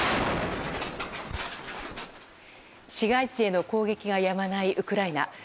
市街地への攻撃がやまないウクライナ。